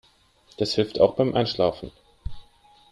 Das hilft auch beim Einschlafen.